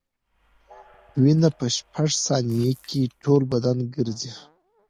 وینه په شپږ ثانیو کې ټول بدن ګرځي.